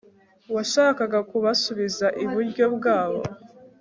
Washakaga kubasubiza iburyo bwabo